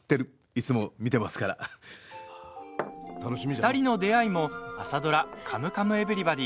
２人の出会いも朝ドラ「カムカムエヴリバディ」。